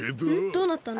どうなったの？